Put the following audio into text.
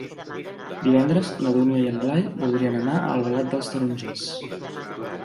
Divendres na Dúnia i en Blai voldrien anar a Albalat dels Tarongers.